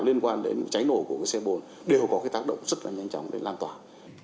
liên quan đến cháy nổ của cái xe bồn đều có cái tác động rất là nhanh chóng để an toàn